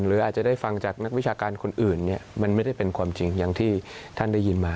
หรืออาจจะได้ฟังจากนักวิชาการคนอื่นเนี่ยมันไม่ได้เป็นความจริงอย่างที่ท่านได้ยินมา